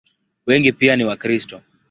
Wengi pia ni Wakristo.